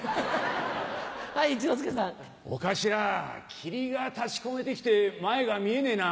霧が立ち込めてきて前が見えねえな。